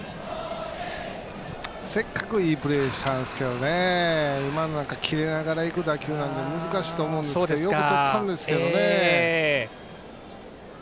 せっかくいいプレーをしたんですけど今のは切れながらいく打球でしたから難しかったと思いますがよくとったんですけどね。